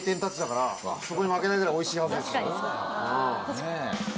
ねえ。